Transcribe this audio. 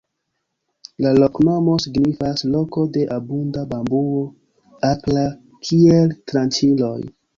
La loknomo signifas: "loko de abunda bambuo akra kiel tranĉiloj".